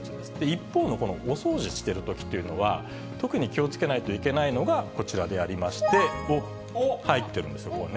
一方のこのお掃除してるときっていうのは、特に気をつけないといけないのがこちらでありまして、入ってるんですよ、これね。